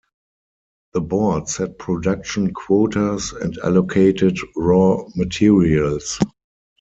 The board set production quotas and allocated raw materials.